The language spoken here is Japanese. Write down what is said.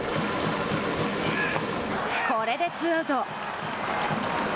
これでツーアウト。